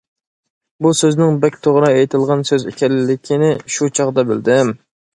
بۇ سۆزنىڭ بەك توغرا ئېيتىلغان سۆز ئىكەنلىكىنى شۇ چاغدا بىلدىم.